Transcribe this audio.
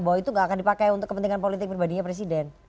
bahwa itu tidak akan dipakai untuk kepentingan politik pribadinya presiden